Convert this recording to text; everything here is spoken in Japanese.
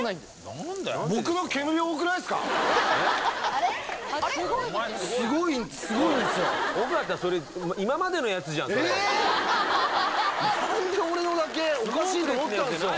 何で俺のだけおかしいと思ったんすよ